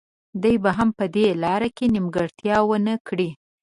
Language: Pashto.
دی به هم په دې لاره کې نیمګړتیا ونه کړي.